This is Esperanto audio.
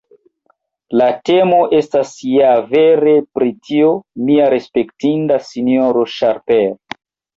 La temo estas ja vere pri tio, mia respektinda sinjoro Sharper!